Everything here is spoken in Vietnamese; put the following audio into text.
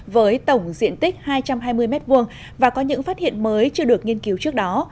với tổng diện tích hai trăm hai mươi m hai và có những phát hiện mới chưa được nghiên cứu trước đó